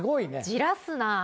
じらすなあ。